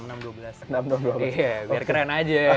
iya biar keren aja